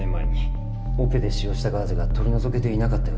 オペで使用したガーゼが取り除けていなかったようです